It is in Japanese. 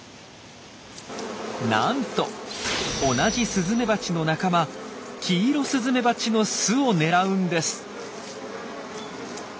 なんと同じスズメバチの仲間キイロスズメバチの巣を狙うんです。